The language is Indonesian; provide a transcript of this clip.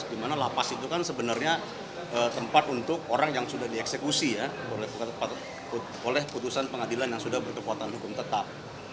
dimana lapas itu kan sebenarnya tempat untuk orang yang sudah dieksekusi oleh putusan pengadilan yang sudah berkekuatan hukum tetap